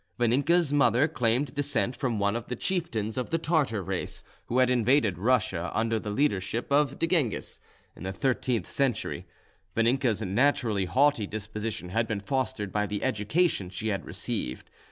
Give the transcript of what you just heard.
Vaninka's mother claimed descent from one of the chieftains of the Tartar race, who had invaded Russia, under the leadership of D'Gengis, in the thirteenth century. Vaninka's naturally haughty disposition had been fostered by the education she had received.